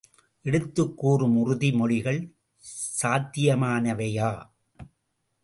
எடுத்துக் கூறும் உறுதி மொழிகள் சாத்தியமானவையா?